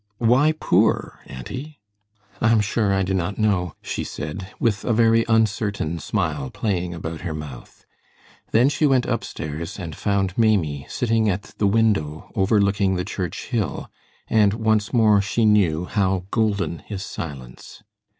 "Why poor, auntie?" "I'm sure I do not know," she said, with a very uncertain smile playing about her mouth. Then she went upstairs and found Maimie sitting at the window overlooking the church hill, and once more she knew how golden is silence.